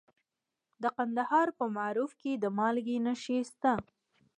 د کندهار په معروف کې د مالګې نښې شته.